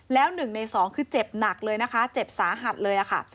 แล้ว๑ใน๒คือเจ็บหนักเลยนะคะเจ็บสาหัสเลยค่ะ